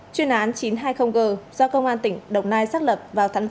chuyên án chín trăm hai mươi g do công an tỉnh đồng nai xác lập vào tháng chín năm hai nghìn hai mươi